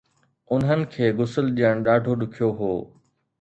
انهن کي غسل ڏيڻ ڏاڍو ڏکيو هو